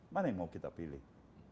mana yang mau kita pilih